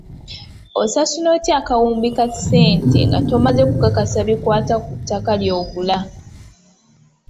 Osasula otya akawumbi ka ssente nga tomaze kukakasa bikwata ku ttaka ly'ogula?